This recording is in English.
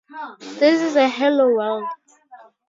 This is a Hello, world!